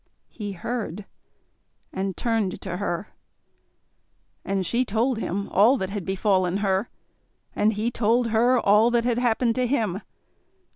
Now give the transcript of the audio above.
He heard, and turned to her. And she told him all that had befallen her, and he told her all that had happened to him.